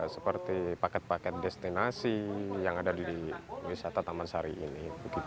seperti paket paket destinasi yang ada di wisata taman sari ini